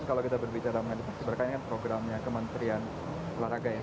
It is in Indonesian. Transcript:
kalau kita berbicara mengenai mereka ini kan programnya kementerian olahraga ya